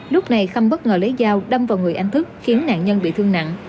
lúc này khâm bất ngờ lấy dao đâm vào người anh thức khiến nạn nhân bị thương nặng